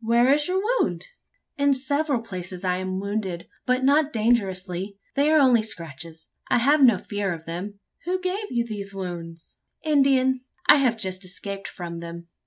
Where is your wound?" "In several places I am wounded; but not dangerously. They are only scratches: I have no fear of them." "Who gave you these wounds?" "Indians. I have just escaped from them."